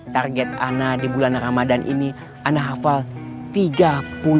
target ana di bulan ramadan ini ana hafal tiga puluh cus